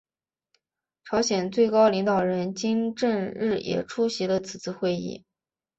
朝鲜最高领导人金正日也出席了此次会议。